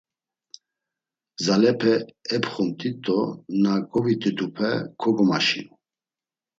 Gzalepe epxumt̆it do na govit̆itupe kogomaşinu.